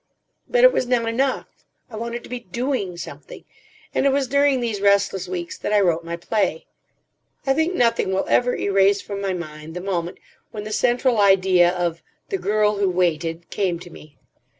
But it was not enough. I wanted to be doing something.... And it was during these restless weeks that I wrote my play. I think nothing will ever erase from my mind the moment when the central idea of The Girl who Waited came to me.